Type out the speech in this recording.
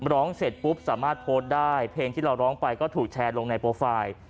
ร้องเสร็จปุ๊บสามารถโพสต์ได้เพลงที่เราร้องไปก็ถูกแชร์ลงในโปรไฟล์